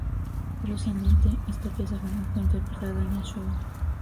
Curiosamente, esta pieza jamás fue interpretada en el show.